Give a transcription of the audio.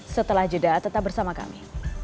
setelah jeda tetap bersama kami